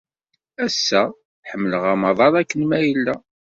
Ass-a, ḥemmleɣ amaḍal akken ma yella.